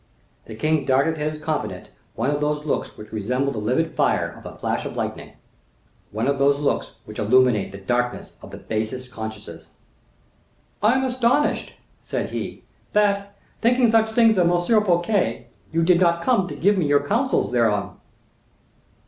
The king darted at his confidant one of those looks which resemble the livid fire of a flash of lightning, one of those looks which illuminate the darkness of the basest consciences. "I am astonished," said he, "that, thinking such things of M. Fouquet, you did not come to give me your counsels thereupon."